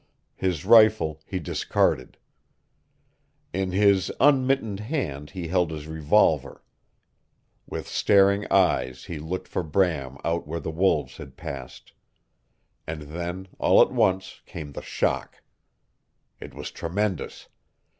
His rifle he discarded. In his un mittened hand he held his revolver. With staring eyes he looked for Bram out where the wolves had passed. And then, all at once, came the shock. It was tremendous.